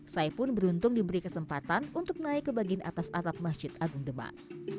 saya pun beruntung diberi kesempatan untuk naik ke bagian atas atap masjid agung demak